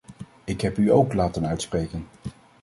Ik heb u ook laten uitspreken.